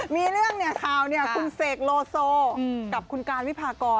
มีเรื่องเนี่ยข่าวคุณเสกโลโซกับคุณการวิพากร